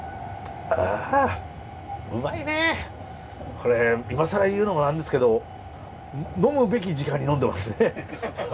これ今更言うのもなんですけど呑むべき時間に呑んでますね。